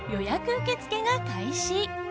受け付けが開始。